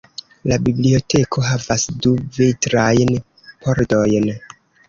La biblioteko havas du vitrajn pordojn.